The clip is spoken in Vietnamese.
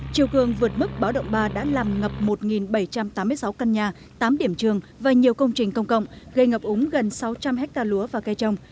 chiều cường vượt mức báo động ba đã làm ngập một bảy trăm tám mươi sáu căn nhà tám điểm trường và nhiều công trình công cộng gây ngập úng gần sáu trăm linh hectare lúa và cây trồng